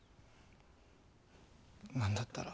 「何だったら」